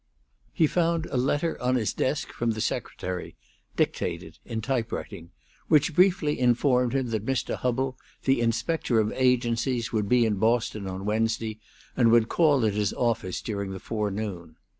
He found a letter on his desk from the secretary, "Dictated," in typewriting, which briefly informed him that Mr. Hubbell, the Inspector of Agencies, would be in Boston on Wednesday, and would call at his office during the forenoon.